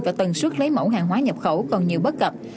và tần suất lấy mẫu hàng hóa nhập khẩu còn nhiều bất cập